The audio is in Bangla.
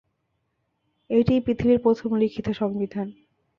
এটিই পৃথিবীর প্রথম লিখিত সংবিধান।